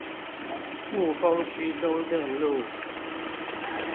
霧峰區中正路